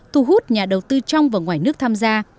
thu hút nhà đầu tư trong và ngoài nước tham gia